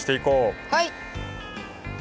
はい！